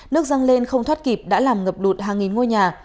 nước răng lên không thoát kịp đã làm ngập đụt hàng nghìn ngôi nhà